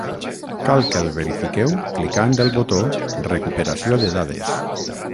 Cal que el verifiqueu clicant el botó "Recuperació de dades".